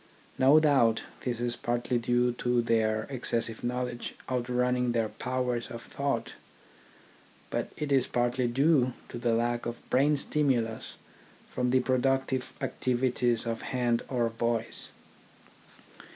No doubt this is partly due to their excessive knowledge outrunning their powers of thought ; but it is partly due to the lack of brain stimulus from the productive activities of hand or voice.